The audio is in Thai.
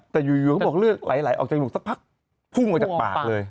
แต่อยู่เขาบอกเลือดไหลออกจมูกสักพักพุ่งมาจากปากเลย